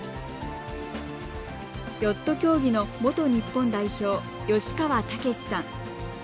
ヨット競技の元日本代表吉川剛さん。